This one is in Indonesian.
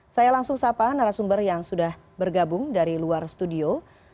saya langsung sapa narasumber yang sudah bergabung dari luar studio